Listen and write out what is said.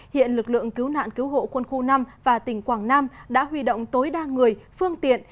hiện lực lượng cứu nạn cứu hộ quân khu năm và tỉnh quảng nam đã huy động tối đa người phương tiện